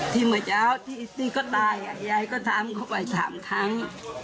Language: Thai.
เมื่อเช้าที่ก็ตายยายก็ทำเขาไป๓ครั้ง